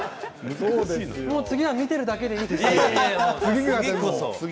次はもう見ているだけでいいです。